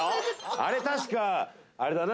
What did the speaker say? あれ確かあれだな